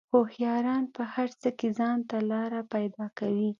هوښیاران په هر څه کې ځان ته لار پیدا کوي.